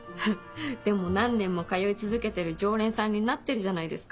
でも何年も通い続けてる常連さんになってるじゃないですか。